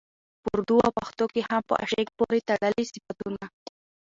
په اردو او پښتو کې هم په عاشق پورې تړلي صفتونه